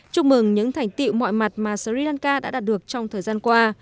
chúc mừng những thành tiệu mọi mặt mà sri lanka đã đạt được trong thời gian qua